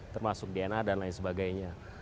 termasuk dna dan lain sebagainya